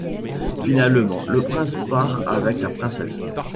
Finalement, le Prince part avec la Princesse.